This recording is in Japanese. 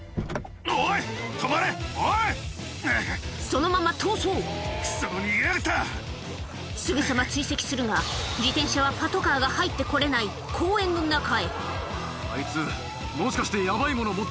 そのまま逃走すぐさま追跡するが自転車はパトカーが入って来れない公園の中へあいつもしかして。